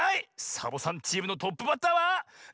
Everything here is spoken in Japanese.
サボさんチームのトップバッターは「ニャンちゅう！